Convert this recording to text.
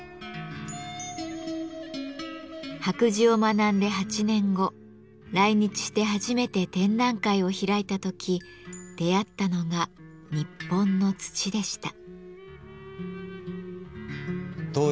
白磁を学んで８年後来日して初めて展覧会を開いた時出会ったのが「日本の土」でした。